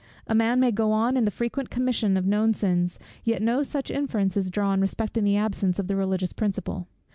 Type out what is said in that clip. A man may go on in the frequent commission of known sins, yet no such inference is drawn respecting the absence of the religious principle.